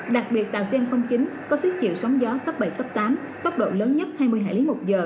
đặc biệt tàu cn chín có sức chịu sóng gió cấp bảy cấp tám tốc độ lớn nhất hai mươi hải lý một giờ